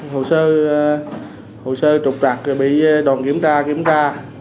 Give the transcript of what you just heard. hồ sơ trục trặc rồi bị đoàn kiểm tra kiểm tra